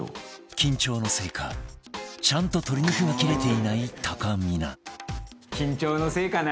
緊張のせいかちゃんと鶏肉が切れていないたかみな